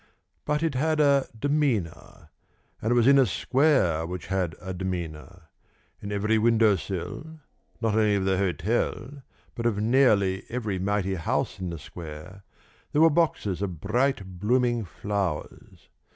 But it had a demeanour ... and it was in a square which had a demeanour.... In every window sill not only of the hotel, but of nearly every mighty house in the square there were boxes of bright blooming flowers.